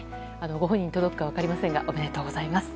ご本人に届くか分かりませんがおめでとうございます。